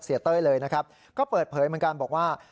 เต้ยเลยนะครับก็เปิดเผยเหมือนกันบอกว่า